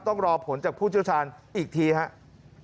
ต้องรอผลจากผู้เชี่ยวชาญอีกทีครับ